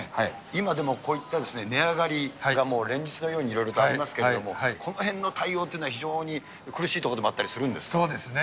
今、でもこういった値上がりが連日のようにいろいろとありますけれども、このへんの対応っていうのは、非常に苦しいところでもあそうですね。